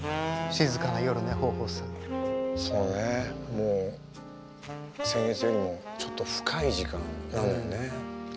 もう先月よりもちょっと深い時間なのよね。